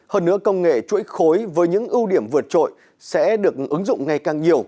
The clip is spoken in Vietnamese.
hơn nữa công nghệ chuỗi khối với những ưu điểm vượt trội sẽ được ứng dụng ngày càng nhiều